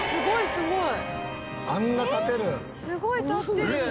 「すごい！」